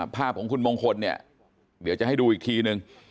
ภาพของคุณมงคลเนี่ยเดี๋ยวจะให้ดูอีกทีนึง